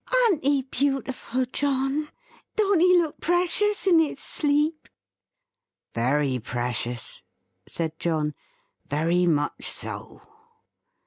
"An't he beautiful, John? Don't he look precious in his sleep?" "Very precious," said John. "Very much so.